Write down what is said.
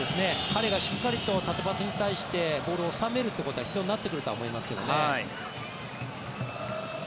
彼がしっかりと縦パスに対してボールを収めることが必要になってくると思いますけどね。